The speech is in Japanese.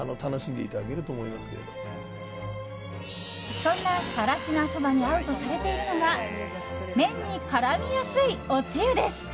そんな更科そばに合うとされているのが麺に絡みやすいおつゆです。